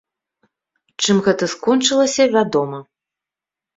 Чым гэта скончылася, вядома.